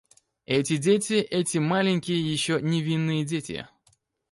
Эти дети, эти маленькие, еще невинные дети.